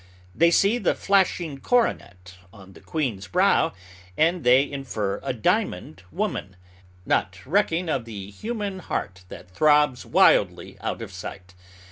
They see the flashing coronet on the queen's brow, and they infer a diamond woman, not recking of the human heart that throbs wildly out of sight.